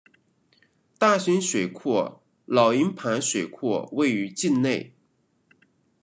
大型水库老营盘水库位于境内。